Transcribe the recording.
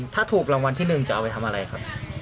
ถ้าถูกรางวัลที่๑จะเอาไปทำอะไรครับ